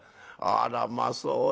「あらまあそう。